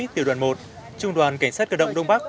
tiểu đoàn một trung đoàn cảnh sát cơ động đông bắc